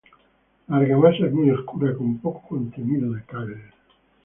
La argamasa es muy oscura, con poco contenido de cal.